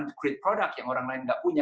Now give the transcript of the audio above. saya mencari produk yang orang lain tidak punya